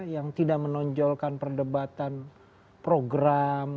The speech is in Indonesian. yang tidak menonjolkan perdebatan program